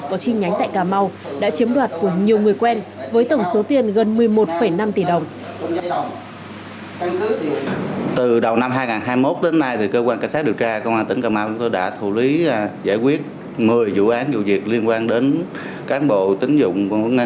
có chi nhánh tại cà mau đã chiếm đoạt của nhiều người quen với tổng số tiền gần một mươi một năm tỷ đồng